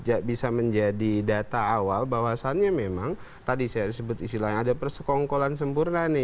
jadi kalau ini bisa menjadi data awal bahwasannya memang tadi saya sebut istilahnya ada persekongkolan sempurna nih